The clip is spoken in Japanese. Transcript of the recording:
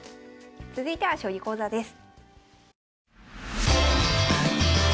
続いては将棋講座です。